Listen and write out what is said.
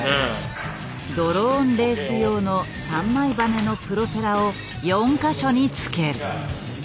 ドローンレース用の３枚羽根のプロペラを４か所に付ける。